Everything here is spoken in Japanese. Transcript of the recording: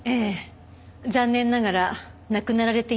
残念ながら亡くなられていました。